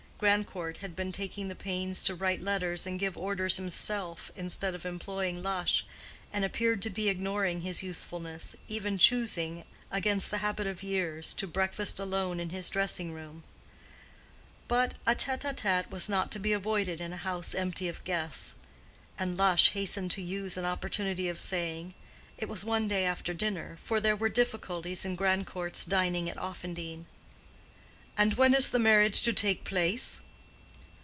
Grandcourt had been taking the pains to write letters and give orders himself instead of employing Lush, and appeared to be ignoring his usefulness, even choosing, against the habit of years, to breakfast alone in his dressing room. But a tête à tête was not to be avoided in a house empty of guests; and Lush hastened to use an opportunity of saying—it was one day after dinner, for there were difficulties in Grandcourt's dining at Offendene, "And when is the marriage to take place?"